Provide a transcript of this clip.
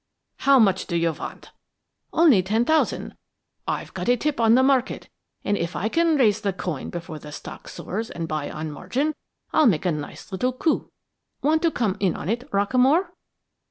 "'How much do you want?' "'Only ten thousand. I've got a tip on the market and if I can raise the coin before the stock soars and buy on margin, I'll make a fine little coup. Want to come in on it, Rockamore?'